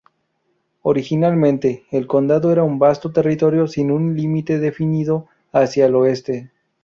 Originalmente, el condado era un vasto territorio sin un límite definido hacia el oeste.